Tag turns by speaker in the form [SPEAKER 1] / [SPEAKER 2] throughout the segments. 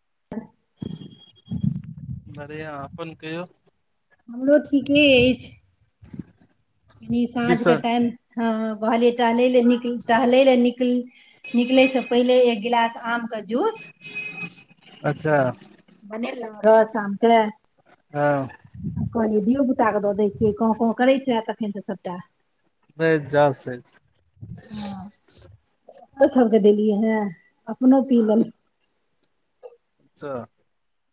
[SPEAKER 1] ह [inaudible]
[SPEAKER 2] बढ़िया अपन कहियो।
[SPEAKER 1] हमरो ठीके अइछ कनी
[SPEAKER 2] की
[SPEAKER 1] साँझ के
[SPEAKER 2] सब
[SPEAKER 1] टाईम हँ कहलिय टहलै लए निक टहलै लए निकली निकले से पहिले एक गिलास आम के जूस
[SPEAKER 2] अच्छा।
[SPEAKER 1] बनेलौ हे साम के।
[SPEAKER 2] हँ।
[SPEAKER 1] कहलियै धियो- पुताके दऽ दै छियै, कौं-कौं करैत हैत तखेन से तऽ सभटा।
[SPEAKER 2] नै जस अइछ।
[SPEAKER 1] हँ ओकरो सब के देलियै हैं, अपनो पी लेलाउ।
[SPEAKER 2] अच्छा।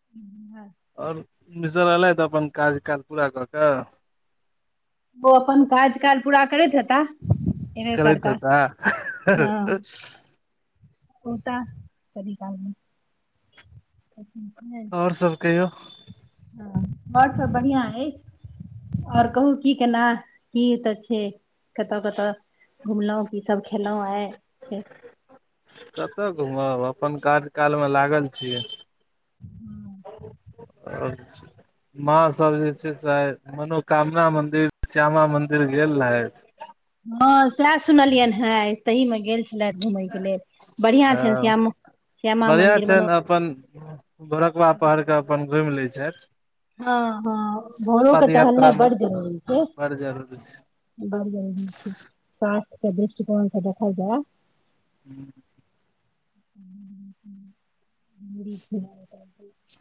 [SPEAKER 1] ह हँ [inaudible]
[SPEAKER 2] और मिसर एलथि अपन काराज्यकाल पूरा कऽ कऽ?
[SPEAKER 1] ओ अपन काज-काल पूरा करैत हेता एबै
[SPEAKER 2] करैत
[SPEAKER 1] करता
[SPEAKER 2] हेता
[SPEAKER 1] हँ ओताऽ कनि काल में अच्छा
[SPEAKER 2] ओर सब कहियौ
[SPEAKER 1] ह ओर सब बढ़िआ अए ओर कहू की केना की एतऽ छै कत-कत घुमलौ की सब खेलौ आई?
[SPEAKER 2] कतऽ घूमब अपन काज-काल मे लागल छीयै ओर स माँ सब जे छै से आई मनोकामना मंदिर श्यामा मंदिर गेल रहथि
[SPEAKER 1] हँ सेह सुनलियनि हे तही मे गेल छी गेलथि घुमय के लेल बढ़िया
[SPEAKER 2] हँ
[SPEAKER 1] छनि श्यामो श्यामा
[SPEAKER 2] बढ़िआँ
[SPEAKER 1] मंदिर मनो
[SPEAKER 2] छनि अपन भोरकबा पहरके अपन घुमि लए छथि।
[SPEAKER 1] हँ-हँ भोरो के टहलनाइ बड्ड जरूरी छै।
[SPEAKER 2] बर जरूरी छै
[SPEAKER 1] बड़ जरुरी छै स्वास्थ के दृष्टिकोण सँ देखल जे
[SPEAKER 2] हूँ
[SPEAKER 1] [inaudible]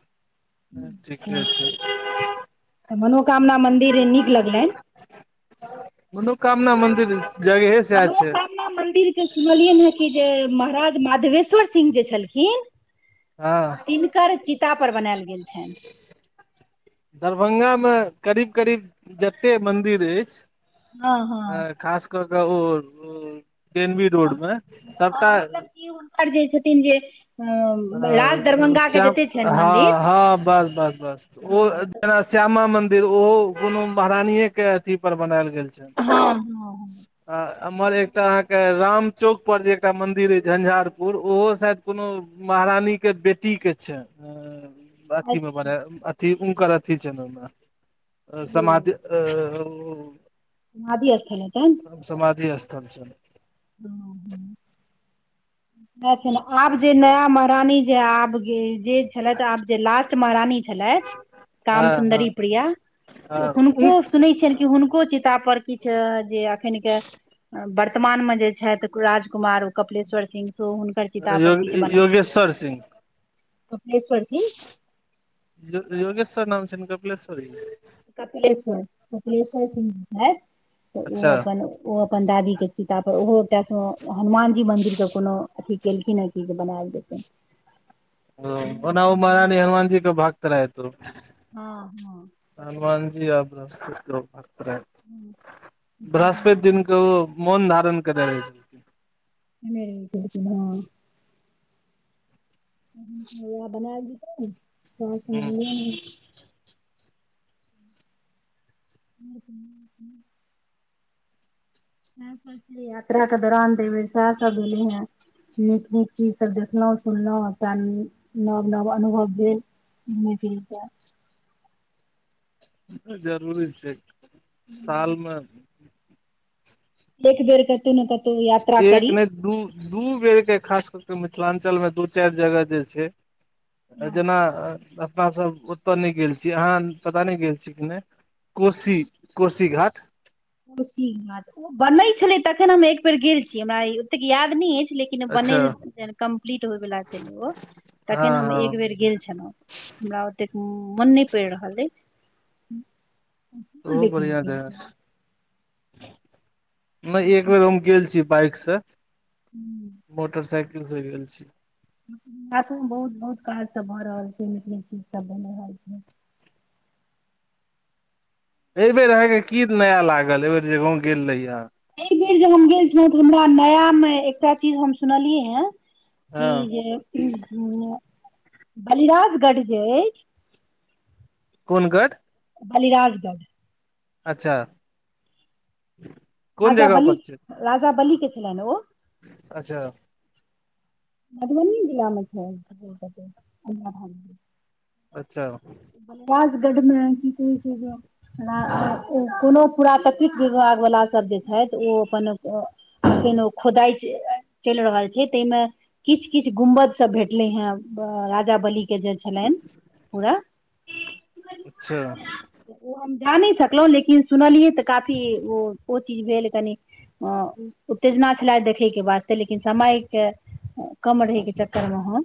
[SPEAKER 2] ह ठीके छै
[SPEAKER 1] तऽ मनोकामना मन्दिर नीक लगलनि
[SPEAKER 2] मनोकामना मन्दिर जगहे से छैय।
[SPEAKER 1] मनोकामना मन्दिर के सुनलियनि हँ कि जे महाराज माधवेश्वर सिंह जे छलखिन
[SPEAKER 2] हँ
[SPEAKER 1] तिनकर चीता पर बनैल गेल छनि।
[SPEAKER 2] दरभंगामे करीब-करीब जते मन्दिर अइछ।
[SPEAKER 1] हँ हँ
[SPEAKER 2] आर खास कऽ कऽ ओ ओ पी एन बी रोड मे सबटा
[SPEAKER 1] की हुनकर जे छथिन जे
[SPEAKER 2] ह
[SPEAKER 1] अ राज
[SPEAKER 2] ओ
[SPEAKER 1] दरभंगा के
[SPEAKER 2] श्यम
[SPEAKER 1] जते छनि मंदिर
[SPEAKER 2] हँ-हँ बस-बस-बस ओ
[SPEAKER 1] हँ
[SPEAKER 2] एना श्यामा मंदिर ओहो कोनो महारानीेये के अथी पर बनल गेल छल
[SPEAKER 1] हँ हँ
[SPEAKER 2] आ अहमर एकटा अहाँके रामचौक पर जे एकटा मन्दिर अइछ झंझारपुर ओहो शायद कोनो महारानी के बेटी के छैन आ अथी मे
[SPEAKER 1] अच्छा
[SPEAKER 2] बनै आ थी ऊनकर अथी छ ने ओहिमे
[SPEAKER 1] ओ
[SPEAKER 2] समाधि आ ऊ
[SPEAKER 1] समाधि स्थल हेतैन
[SPEAKER 2] समाधि स्थल छैन
[SPEAKER 1] ह ह न छैन आब जे नया महारानी जे आब गे जे छलैथ आब जे लास्ट महारानी छलैथ काम
[SPEAKER 2] हँ हँ
[SPEAKER 1] सुुन्दरी प्रिया
[SPEAKER 2] हँ
[SPEAKER 1] हुनको सुनैय छियनि कि हुनको चितापर किछ जे एखैन के बर्तमानमे जे छथि राजकुमार कपिलेश्वर सिंह सेहो हुँ
[SPEAKER 2] यो योगेश्वर सिंह
[SPEAKER 1] कपिलेश्वर सिंह
[SPEAKER 2] यो-योगेश्वर नाम छैन कपिलेश्वरी?
[SPEAKER 1] कपिलेश्वर, कपिलेश्वर सिंह छैत तऽ ओ
[SPEAKER 2] अच्छा
[SPEAKER 1] अपन ओ अपन दादी के चीता पर, ओहो एकटा सो हनुमानजी मंन्दिर के कोनो अथी एलखिन हें कि? जे बनायल जेतैन।
[SPEAKER 2] हुँ, ओनाओ महारानी हनुमानजी के भक्त रहैत खुब।
[SPEAKER 1] हँ-हँ
[SPEAKER 2] हनुमान जी आ बृहस्पति के ओ भक्त रहैत। बृहस्पति दिन
[SPEAKER 1] बनायल
[SPEAKER 2] के ओ मौन धारण केने रहै छै।
[SPEAKER 1] केने रहितै कि न। उएह बनायल जितै। [unintelligible]
[SPEAKER 2] छलखिन
[SPEAKER 1] नै [unintelligible] नाग पञ्चमी यात्रा के दौरान दे बेर सहए सब भेलै हें। नीक-नीक चीज सब देखलहुँ, सुनलहुँ [unintelligible] एकटा नव-नव अनुभव भेल। मैथिल कऽ
[SPEAKER 2] जरूरी [unintelligible] सालमे
[SPEAKER 1] एकबेर कतौ ने कतहु यात्रा
[SPEAKER 2] एक
[SPEAKER 1] करी।
[SPEAKER 2] नहि दू- दू बेरके खास कऽ कऽ मिथिलाञ्चलमे दू चारि जगह जे छै
[SPEAKER 1] हँ
[SPEAKER 2] जेना अपना सभ ओतऽ नहि गेल छी। अहाँ पता नहि गेल छी कि नहि? कोशी, कोशी घाट
[SPEAKER 1] कोशी घाट, ओ बनै छलै तखन हम एक बेेर गेल छी। हमरा ओतेक याद नहि अछि लेकिन
[SPEAKER 2] अच्छा
[SPEAKER 1] बनैल ज [unintelligible] कम्प्लीट होयवला छलै ओ
[SPEAKER 2] हँ
[SPEAKER 1] तखन हम एक
[SPEAKER 2] हँ
[SPEAKER 1] बेर गेल छलहुँ। हमरा ओतेक म-मन नहि पड़ि रहल अइछ।
[SPEAKER 2] खुब बढ़िआँ, दया से। नहि एक बेर हम गेल छी बाइक से। मोटरसाइकिल से गेल छी।
[SPEAKER 1] हाटो में बहुत-बहुत काज सब भऽ रहल छै। निक-निक चीज सब बनि रहल छै।
[SPEAKER 2] एहिबेेर अहाँके की नया लागल, एहिबेेर जे गाँव गेल रही अहाँ?
[SPEAKER 1] एहिबेर जे हम गेल छलहुँ तऽ हमरा नया मे एकटा चीज हम सुनलियै हें। इ
[SPEAKER 2] हँ
[SPEAKER 1] जे [unintelligible] बलिराजगढ़ जे अछि।
[SPEAKER 2] कोन गढ़?
[SPEAKER 1] बलिराजगढ़।
[SPEAKER 2] अच्छा। कोन
[SPEAKER 1] राजा
[SPEAKER 2] जगह
[SPEAKER 1] बलि,
[SPEAKER 2] पर छै
[SPEAKER 1] राजा बलि के छलैनि ओ?
[SPEAKER 2] अच्छा।
[SPEAKER 1] मधुबनी जिला मे छैय। [unintelligible]
[SPEAKER 2] अच्छा।
[SPEAKER 1] राजगढ़मे कि कहै छैय जे [unintelligible] कोनो पुरातत्विक विभाग बला सभ जे छथि ओ अपन ओ अखैन ओ खोदाइ चलि रहल छै तैहिमे किछ-किछ गुमबद सब भेटलै हेँ। अ-राजा बली के जे छेलानि, पूरा
[SPEAKER 2] अच्छा
[SPEAKER 1] ओ हम जा नहि सकलहुँ लेकिन सुनलियै तऽ काफी ओ-ओ चीज भेल कनि अ उत्तेजना छले देखैके वास्ते लेकिन समयके कम रहैके चक्करमे हम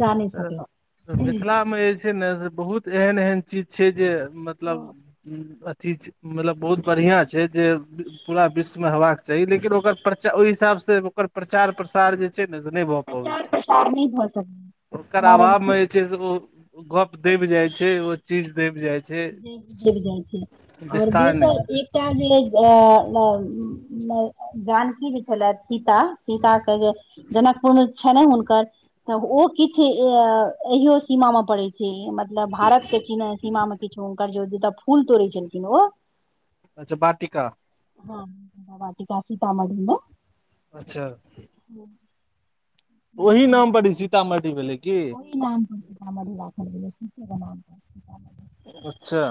[SPEAKER 1] जा नहि
[SPEAKER 2] [unintelligible] त
[SPEAKER 1] सकलहुँ
[SPEAKER 2] मिथिलामे अइछ इ छै ने से बहुत एहन-एहन चीज छै, जे मतलब किछ मतलब बहुत बढ़ियाँ छै जे पूरा विश्वमे हेबाक चाही लेकिन ओकर प्रचा ओहि हिसाब से ओकर प्रचार प्रसार जे छै नऽ से नै भऽ पबै छै।
[SPEAKER 1] पानी भऽ सकै
[SPEAKER 2] ओकर अभाव में जे छै से ओ गप दैब जाय छै ओ चीज दैब जाय छै।
[SPEAKER 1] जे गिर जाइ छै आओर
[SPEAKER 2] विस्तार नहि
[SPEAKER 1] दोसर
[SPEAKER 2] होइ
[SPEAKER 1] इ
[SPEAKER 2] छै
[SPEAKER 1] जे अ जानकी जे छलऽ सीता सीता के जे जनकपुर छैनहें हुनकर, तऽ ओ किछ अहिइो सीमा मे पड़ै छै मत लऽ भारत के चीन सीमा मे किछो हुनकर जे जतऽ फूल तोड़ै छलखिन ओ
[SPEAKER 2] अच्छा बाटिका
[SPEAKER 1] हँ बाटिका, सीतामढ़ी में
[SPEAKER 2] अच्छा
[SPEAKER 1] [inaudible]
[SPEAKER 2] ओहि नाम पर इ सीतामढ़ी भेलै की।
[SPEAKER 1] कि नाम पर [unintelligible] सीतामढ़ी राखल गेलै सीते के नाम पर, सीतामढ़ी।
[SPEAKER 2] अच्छा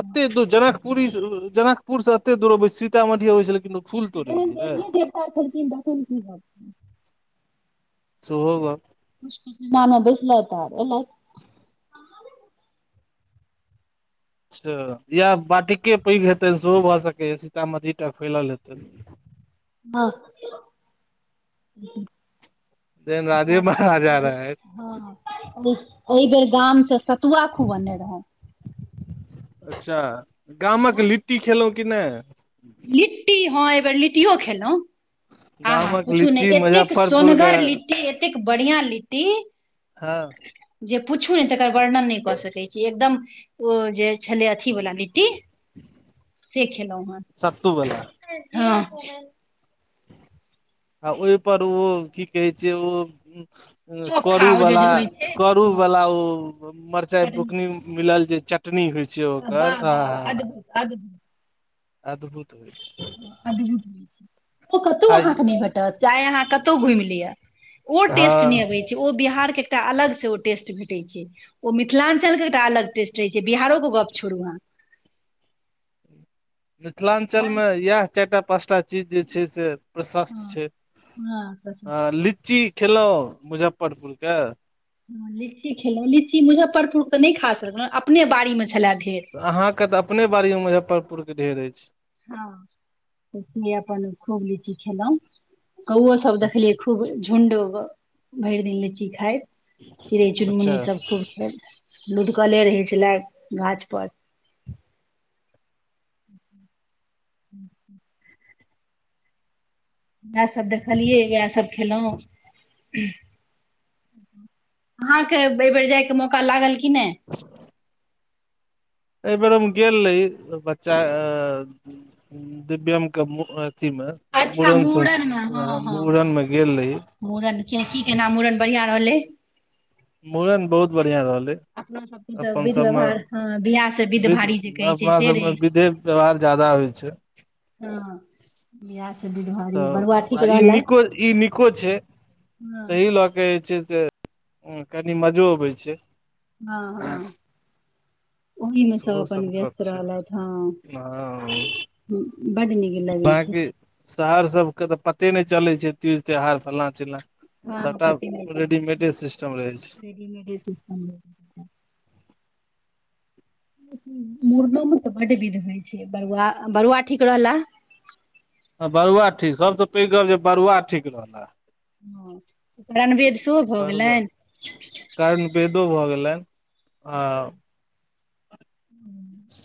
[SPEAKER 2] अत्ते दू जनकपुरी से रो-ओ जनकपुर से एत्ते दूर अबै छी। सीतामढ़ी अबै छलै कि लोक।
[SPEAKER 1] जहन देवीए-देवता छलखिन तहन कि गप।
[SPEAKER 2] सोहो गप।
[SPEAKER 1] पुष्टी [unintelligible] मे बैसलैत आर एलैथ।
[SPEAKER 2] अच्छ या बाटिके पैघ हेतैन सेहो भऽ सकैए सीतामढ़ी टास फैलल हेतनि।
[SPEAKER 1] हँ
[SPEAKER 2] जेन राजे महाराजा रहैथ।
[SPEAKER 1] हँ, अइ बेर गाम से सतुआ खुब अनने रहौउं।
[SPEAKER 2] अच्छा गामक
[SPEAKER 1] भोर
[SPEAKER 2] लिट्टी खेलउं कि नै?
[SPEAKER 1] लिट्टी हँं अइबेेर लिटीयो खेलउं। आहा
[SPEAKER 2] गामक
[SPEAKER 1] पूछू ने
[SPEAKER 2] लीची
[SPEAKER 1] एत्तेक
[SPEAKER 2] मुजफ्फरपुर के
[SPEAKER 1] सोनगर लिट्टी, एतेक बढ़ियां लिट्टी
[SPEAKER 2] हँ
[SPEAKER 1] जे पूछू ने तेकर वर्णन नै कऽ सकै छी एकदम ओ जे छलै अथी वला लिट्टी से खेलउं हन।
[SPEAKER 2] सत्तू वला।
[SPEAKER 1] हँ
[SPEAKER 2] आ ओय पर ओ, कि कहै छै ओ करू
[SPEAKER 1] चोखा ओ जे
[SPEAKER 2] बला,
[SPEAKER 1] जे होइ छै
[SPEAKER 2] करू बला ओ मरचाई बुकनी मिलल जे चट टनी होइ छै ओकर, आ-हा-हा
[SPEAKER 1] [unintelligible]
[SPEAKER 2] अद्भुत होय छै।
[SPEAKER 1] अद्भुत ओ कत्तौ
[SPEAKER 2] आ
[SPEAKER 1] अहाँ के नै भेटत। चाये अहाँ कत्तौ घुइम लिअ। ओ टेस्ट ने
[SPEAKER 2] हँ
[SPEAKER 1] अबै ओ बिहार के एकटा अलग से ओ टेस्ट भेटै छै। ओ मिथिलाञ्चल के एकटा अलग टेस्ट ठीक छै। बिहारो के गप छोड़ू अहाँ।
[SPEAKER 2] मिथिलाञ्चल मे इएह चारि टा पाँच टा चीज जे छै से प्रशस्त
[SPEAKER 1] अहाँ
[SPEAKER 2] छै।
[SPEAKER 1] हँ
[SPEAKER 2] आ
[SPEAKER 1] हँ
[SPEAKER 2] लीच्ची खेलउं, मुजफ्फरपुर के?
[SPEAKER 1] लीच्ची खेलउं। लीच्ची मुजफ्फरपुर के नै खा सकलउं। अपने बाड़ीमे छले ढेर।
[SPEAKER 2] अहाँके तऽ अपने बाड़ी मे मुजफ्फरपुर के ढेर अछि।
[SPEAKER 1] हँ [unintelligible] अपन खूब लीची खेलौं कौओ सब
[SPEAKER 2] अच्छा
[SPEAKER 1] देखले खूब झुण्ड भरि दिन लीची खाइत चिड़ैय
[SPEAKER 2] अच्छा
[SPEAKER 1] चुनमुनी सब खूब खेल लूधकले रहै छलाय गाछ पर। हूँ इएह सब देखलियै इएह सभ खेलौं। अहाँके एहि बेर बेर जायके मौका लागल की नैय।
[SPEAKER 2] [inaudible] अय बेेर हम गेल रही बच्चा अ उम्म दिव्यम के मु अथी में
[SPEAKER 1] अच्छा
[SPEAKER 2] मुूड़न संस
[SPEAKER 1] मूड़नमे
[SPEAKER 2] वहे मूड़न में गेल रही।
[SPEAKER 1] मुड़न के की केना मुड़न बढ़ियाँ रहलैय?
[SPEAKER 2] मूड़न बहुत बढ़ियाँ रहलैय।
[SPEAKER 1] अपना सबके तऽ
[SPEAKER 2] अपन
[SPEAKER 1] विध
[SPEAKER 2] सबमें
[SPEAKER 1] व्यवहार हँ बियाह से
[SPEAKER 2] विध
[SPEAKER 1] भारी जे कहै छै
[SPEAKER 2] अपना
[SPEAKER 1] से रहै
[SPEAKER 2] सबमें बिधे व्यवहार ज्यादा होय छैय।
[SPEAKER 1] हँ। बियाह से विध भारी
[SPEAKER 2] तऽ
[SPEAKER 1] बरुआ ठीक
[SPEAKER 2] आ ई
[SPEAKER 1] रहलै
[SPEAKER 2] नीको ई नीको छैय
[SPEAKER 1] हँ
[SPEAKER 2] तहि लऽ कहै छैय से उम्म कनी मजो अबैय छैय।
[SPEAKER 1] हँ हँ। ओही में सब
[SPEAKER 2] सेहो
[SPEAKER 1] अपन
[SPEAKER 2] गप
[SPEAKER 1] व्यस्त
[SPEAKER 2] छै
[SPEAKER 1] रहलथि हँ।
[SPEAKER 2] हँ
[SPEAKER 1] हम्म बड नीक लगैय छैय।
[SPEAKER 2] बाँकी शहर सब के तऽ पते नहि चलैय छैय तीज त्यौहार फलना चिलना।
[SPEAKER 1] हँ
[SPEAKER 2] सबटा
[SPEAKER 1] पते नहि चलै छै
[SPEAKER 2] रेडीमेेडे सिस्टम रहैय छै।
[SPEAKER 1] [unintelligible] मुड़नो में तऽ बड विध होय छैय, बरुआ बरुआ ठीक रहला।
[SPEAKER 2] अ बरुआ ठीक सभ स पैघ गप जे बरुआ ठीक रहला।
[SPEAKER 1] ओ उपनेनवेद सेहो भऽ गेलैन?
[SPEAKER 2] कर्णवेदो भऽ गेलैन। आव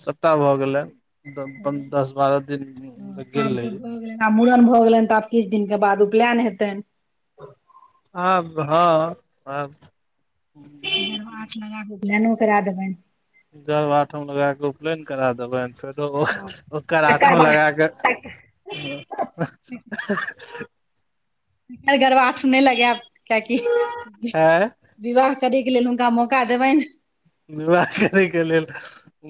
[SPEAKER 2] सबटा भऽ गेलैन। द पन दस बारह दिन ले
[SPEAKER 1] हँ आब
[SPEAKER 2] गेल
[SPEAKER 1] तऽ
[SPEAKER 2] रही।
[SPEAKER 1] भऽ गेलनि आब मूड़न भऽ गेलनि तऽ आब किछ दिन के बाद उपलैन हेतैन।
[SPEAKER 2] आब हँ आब
[SPEAKER 1] गेरूआ आंच लगाक उपलेनो करा देबनि।
[SPEAKER 2] गर्भआठम लगा के उपलेन करा देबैन। फेर
[SPEAKER 1] हँ
[SPEAKER 2] [unintelligible] ओकर
[SPEAKER 1] तकर
[SPEAKER 2] आठम
[SPEAKER 1] बाद
[SPEAKER 2] लगाक
[SPEAKER 1] तक अइ गरबा आठ नै लगेब, त कि
[SPEAKER 2] आँय
[SPEAKER 1] विवाह करैक लेल हुनका मौका देबैन्ह।
[SPEAKER 2] विवाह करै के लेल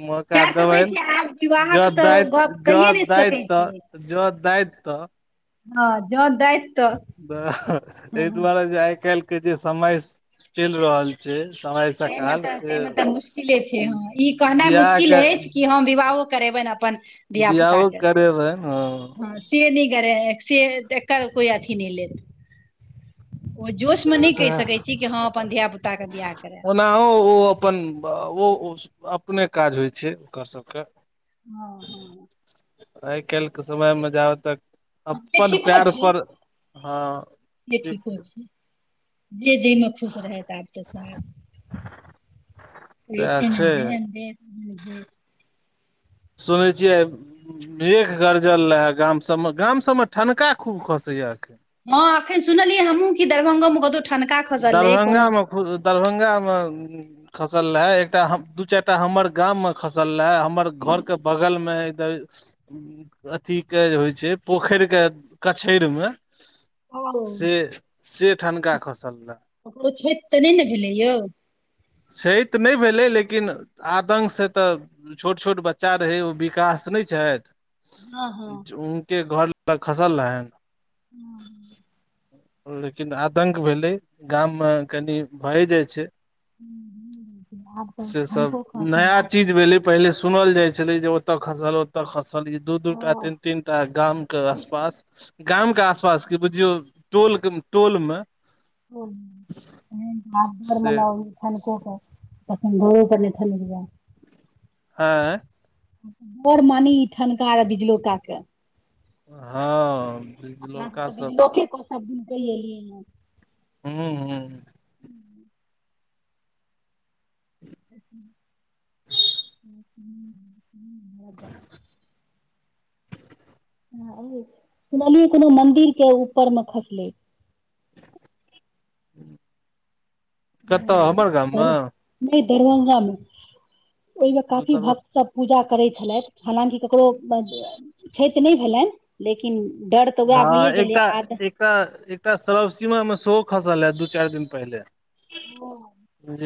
[SPEAKER 2] मौका
[SPEAKER 1] सएह तऽ होइ
[SPEAKER 2] देबैन
[SPEAKER 1] छै आब
[SPEAKER 2] ज
[SPEAKER 1] विवाहक तऽ
[SPEAKER 2] दैथ
[SPEAKER 1] गप
[SPEAKER 2] ज
[SPEAKER 1] कहिए नहि
[SPEAKER 2] दाइत
[SPEAKER 1] सकै
[SPEAKER 2] त
[SPEAKER 1] छियै
[SPEAKER 2] ज दाइत त
[SPEAKER 1] हँ जँ दैत।
[SPEAKER 2] वेऽ ह अइ दुआरे जे आय कालि के जे समय चलि रहल से समय
[SPEAKER 1] ताहिमे
[SPEAKER 2] सकाल
[SPEAKER 1] तऽ
[SPEAKER 2] से
[SPEAKER 1] ताहिमे तऽ मुश्किले
[SPEAKER 2] बियाह के
[SPEAKER 1] की हम विवाहो करेबनि अपन धिया
[SPEAKER 2] बियाहो
[SPEAKER 1] पुताके से।
[SPEAKER 2] करेबै ह
[SPEAKER 1] से नै करे से जेकर कोई अथी नै लेत। ओय जोश में नैय कहि
[SPEAKER 2] सएह
[SPEAKER 1] सकैत छी कि हँ अपन धिया पुताके बियाह करेब।
[SPEAKER 2] नाओ अपन अ ओ ओस अपने काज होय छैय ओकर सबके।
[SPEAKER 1] हँ हँ
[SPEAKER 2] आइ काइलके समयमे जाबेत तक
[SPEAKER 1] हँ, से
[SPEAKER 2] अपन पैर पर हँ
[SPEAKER 1] जे ठीको छै जे जैमे खुश रहैथ आबत सैहै कहय छै ने जेहेन देश तेहेन भेश।
[SPEAKER 2] सुनै छियै मेघ गरजल रहै गाम सबमें गाम सबमे ठनका खूब खसैये।
[SPEAKER 1] हँ अखैन सुनलियै हमहूँ कि दरभंगो मे कतौ
[SPEAKER 2] दरभंगा मे खु दरभंगा मे खसल रहै एकटा हम दू चारिटा हमर गाम में खसल रहै हमर घर के बगल मे कि द अथीके जे होइ छै पोखैरके कछैड़मे
[SPEAKER 1] ओ
[SPEAKER 2] खसल रहे
[SPEAKER 1] ककरो छैत तऽ नै ने भेलै यौ?
[SPEAKER 2] छैत नै भेलै लेकिन आदङ्गसे तऽ छोट छोट बच्चा रहै ओ विकास नहि छैथ
[SPEAKER 1] हँ हँ
[SPEAKER 2] च उनके घर लग खसल रहैन
[SPEAKER 1] ओं
[SPEAKER 2] लेकिन आदंक भेलै गाममे कनि भए जाइ छै।
[SPEAKER 1] हूं हूं
[SPEAKER 2] से सब नया चीज भेलै पहिले सुनल जाय छलै जे ओतऽ खसल ओतऽ खसल ई दू दू टा तीन
[SPEAKER 1] तऽ
[SPEAKER 2] तीन टा गाम के आसपास गाम के आसपास की बुझियौ टोलके टोलमे
[SPEAKER 1] हं तहैन तऽ आब डर
[SPEAKER 2] से
[SPEAKER 1] मनाउ ठनको के। कखनि घरो पर ने ठनैक जै।
[SPEAKER 2] आँय
[SPEAKER 1] डर मानी ई ठनका आर बिजलौकाके।
[SPEAKER 2] हँ
[SPEAKER 1] अपना सब त बिजलौके क सब दिन कैह एलियै हैं
[SPEAKER 2] हूंहूं
[SPEAKER 1] [inaudible] हूं हूं अगत हं आइये छै, सुनलियै कोनो मंदिर के ऊपर मे खसलय।
[SPEAKER 2] कत्त हमर गाममे?
[SPEAKER 1] नै दरभंगा मे ओइमे काफी भक सभ पूजा करै छलैथ हलाँकि ककरो छैत नय भेलैन लेकिन डर तऽ
[SPEAKER 2] हँ
[SPEAKER 1] वैह भइए गेलै
[SPEAKER 2] एकटा
[SPEAKER 1] आद
[SPEAKER 2] एकटा एकटा सरवसीमा में सेहो खसलए दू चाइर दिन पहिले।
[SPEAKER 1] ओ